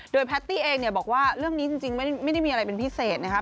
โดยแพทย์ตีเองบอกว่าเรื่องนี้จริงไม่ได้มีอะไรเป็นพิเศษนะครับ